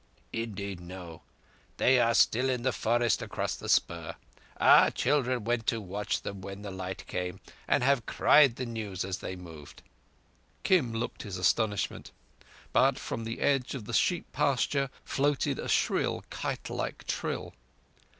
"Indeed no. They are still in the forest across the spur. Our children went to watch them when the light came, and have cried the news as they moved." Kim looked his astonishment; but from the edge of the sheep pasture floated a shrill, kite like trill.